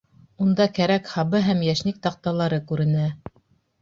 Унда кәрәк һабы һәм йәшник таҡталары күренә.